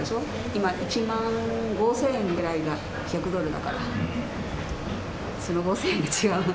今１万５０００円ぐらいが１００ドルだから、５０００円が違う。